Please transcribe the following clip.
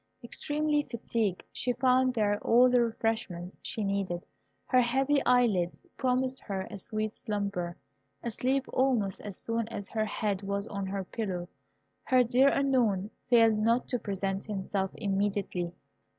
Extremely fatigued, she found there all the refreshments she needed. Her heavy eyelids promised her a sweet slumber. Asleep almost as soon as her head was on her pillow, her dear Unknown failed not to present himself immediately.